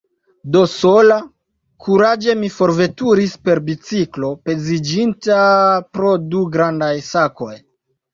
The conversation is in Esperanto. Do, sola, kuraĝe mi forveturis per biciklo, peziĝinta pro du grandaj sakoj.